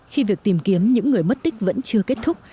khi việc tìm kiếm những người mất tích vẫn chưa kết thúc